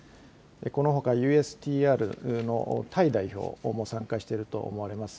このほかＵＳＴＲのタイ代表も参加していると思われます。